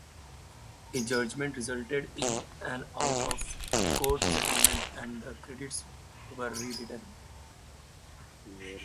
A judgment resulted in an out-of-court settlement and the credits were rewritten.